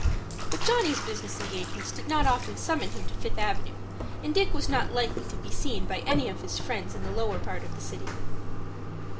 But Johnny's business engagements did not often summon him to Fifth Avenue, and Dick was not likely to be seen by any of his friends in the lower part of the city.